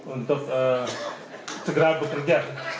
untuk segera bekerja